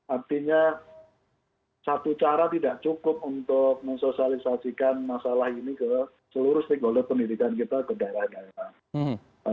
artinya satu cara tidak cukup untuk mensosialisasikan masalah ini ke seluruh stakeholder pendidikan kita ke daerah daerah